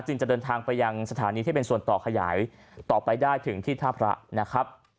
จะเดินทางไปยังสถานีที่เป็นส่วนต่อขยายต่อไปได้ถึงที่ท่าพระนะครับ